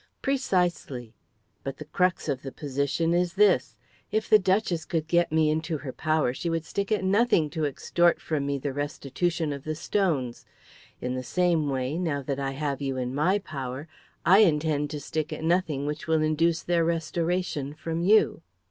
"Precisely. But the crux of the position is this. If the duchess could get me into her power she would stick at nothing to extort from me the restitution of the stones. In the same way, now that I have you in my power, I intend to stick at nothing which will induce their restoration from you."